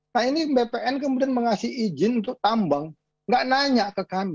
nah ini bpn kemudian mengasih izin untuk tambang nggak nanya ke kami